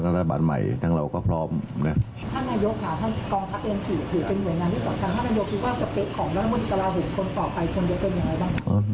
ก็ไม่มีปัญหาฝ่ายกฎหมายเขาตอบมาแล้ว